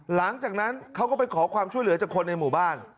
หลังจากนั้นเขาก็ไปขอความช่วยเหลือจากคนในหมู่บ้าน